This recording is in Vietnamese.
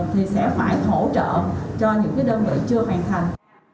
thì sẽ phải hỗ trợ cho những đơn vị chưa hoàn thành